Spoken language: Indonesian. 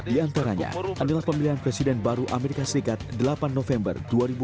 yang terakhir adalah pemilihan presiden baru as delapan november dua ribu enam belas